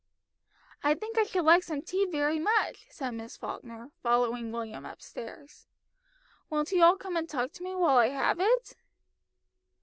"I think I should like some tea very much," said Miss Falkner, following William up stairs. "Won't you all come and talk to me while I have it?"